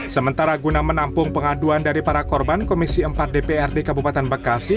sementara guna menampung pengaduan dari para korban komisi empat dprd kabupaten bekasi